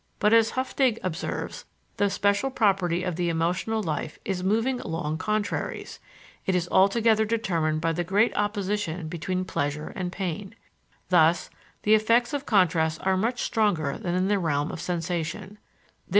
But, as Höffding observes, the special property of the emotional life is moving among contraries; it is altogether determined by the great opposition between pleasure and pain. Thus, the effects of contrasts are much stronger than in the realm of sensation.